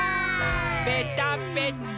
ぺたぺた。